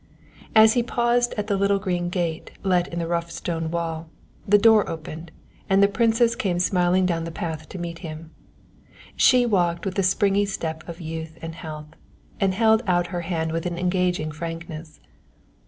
As he paused at the little green gate let in the rough stone wall, the door opened and the Princess came smilingly down the path to meet him. She walked with the springy step of youth and health, and held out her hand with an engaging frankness.